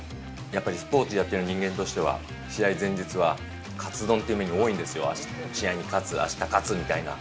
やっぱりスポーツやってる人間としては、試合前日はカツ丼っていうメニュー多いんですよ、試合に勝つ、あした勝つみたいな。